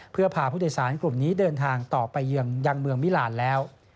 เพื่อพาผู้โดยสารกลุ่มนี้เดินทางต่อไปยังเมืองมิลานแล้ว